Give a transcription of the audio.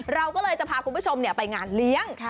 เราก็เลยจะพาคุณผู้ชมไปงานเลี้ยง